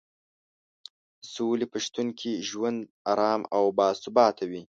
د سولې په شتون کې ژوند ارام او باثباته وي.